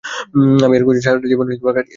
আমি এর খোঁজে সারাটা জীবন কাটিয়েছি।